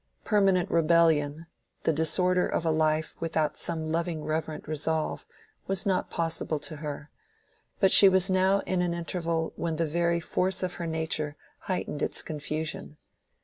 Permanent rebellion, the disorder of a life without some loving reverent resolve, was not possible to her; but she was now in an interval when the very force of her nature heightened its confusion.